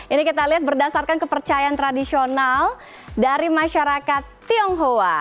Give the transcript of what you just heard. ini kita lihat berdasarkan kepercayaan tradisional dari masyarakat tionghoa